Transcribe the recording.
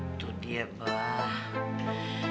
itu dia pak